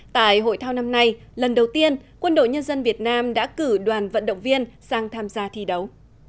tại hội thao năm nay lần đầu tiên quân đội nhân dân việt nam đã cử đoàn vận động viên sang tham gia thi đấu